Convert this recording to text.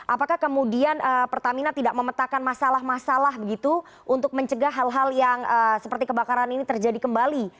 apakah kemudian pertamina tidak memetakan masalah masalah begitu untuk mencegah hal hal yang seperti kebakaran ini terjadi kembali